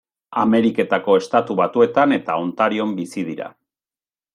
Ameriketako Estatu Batuetan eta Ontarion bizi dira.